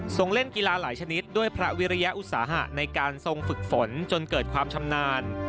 เล่นกีฬาหลายชนิดด้วยพระวิริยอุตสาหะในการทรงฝึกฝนจนเกิดความชำนาญ